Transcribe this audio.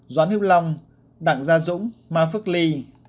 doãn hiếp long đảng gia dũng ma phước ly